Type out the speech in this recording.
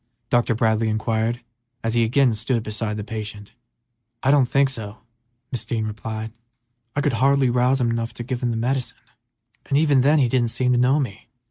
Dr. Bradley inquired, as he again stood beside the patient. "I don't think so," Mrs. Dean replied. "I could hardly rouse him enough to give him the medicine, and even then he didn't seem to know me."